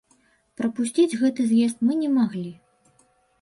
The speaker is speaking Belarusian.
Прапусціць гэты з'езд мы не маглі.